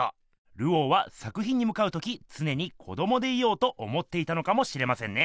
ルオーは作品にむかうときつねに子どもでいようと思っていたのかもしれませんね。